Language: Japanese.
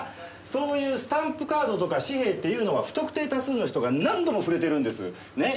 そういうスタンプカードとか紙幣っていうのは不特定多数の人が何度も触れてるんです。ね。